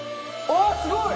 あっすごい！